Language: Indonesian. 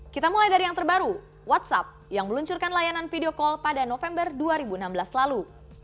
kita mulai dari yang terbaru whatsapp yang meluncurkan layanan video call pada november dua ribu enam belas lalu